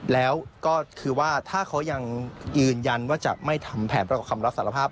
แล้วก็คือว่าถ้าเขายังยืนยันว่าจะไม่ทำแผนประกอบคำรับสารภาพ